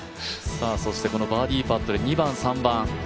このバーディーパットで２番、３番。